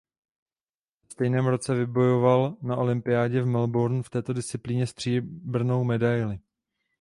Ve stejném roce vybojoval na olympiádě v Melbourne v této disciplíně stříbrnou medaili.